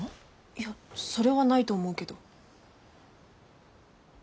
いやそれはないと思うけど。